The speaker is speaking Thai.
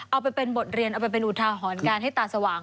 เอาไปเป็นบทเรียนเอาไปเป็นอุทาหรณ์การให้ตาสว่าง